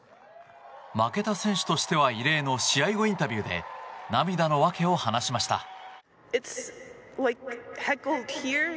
負けた選手としては異例の試合後インタビューで涙の訳を話しました。